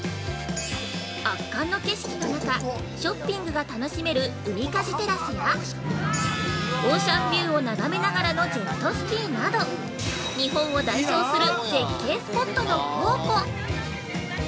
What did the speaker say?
圧巻の景色の中、ショッピングが楽しめるウミカジテラスや、オーシャンビューを眺めながらのジェットスキーなど日本を代表する絶景スポットの宝庫。